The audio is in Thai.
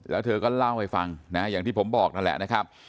แล้วเธอก็เล่าให้ฟังนะอย่างที่ผมบอกนั่นแหละนะครับ